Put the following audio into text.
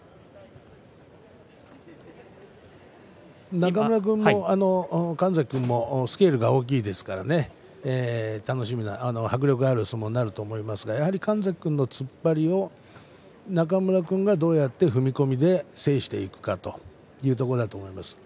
中村君も神崎君もスケールが大きいですから迫力のある相撲になると思いますがやはり神崎君の突っ張りを中村君がどうやって踏み込みで制していくかというところだと思います。